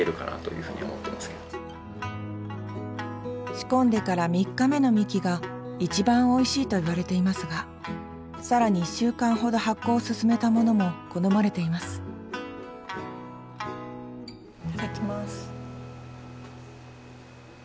仕込んでから３日目のみきが一番おいしいといわれていますが更に１週間ほど発酵を進めたものも好まれていますいただきます。